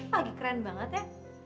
lagi keren banget ya